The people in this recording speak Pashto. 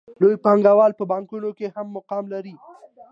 لوی پانګوال په بانکونو کې هم مقام لري